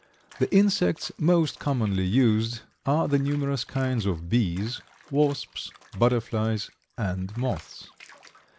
The insects most commonly used are the numerous kinds of bees, wasps, butterflies, and moths.